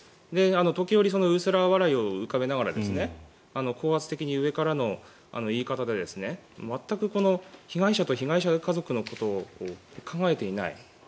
時折、薄ら笑いを浮かべながら高圧的に上からの言い方で全く被害者と被害者家族のことを考えていない。